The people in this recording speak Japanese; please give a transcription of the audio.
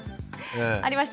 ありました。